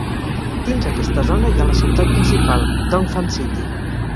Dins aquesta zona hi ha la ciutat principal, Dongfang City.